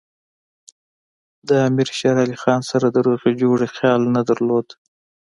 د امیر شېر علي خان سره د روغې جوړې خیال نه درلود.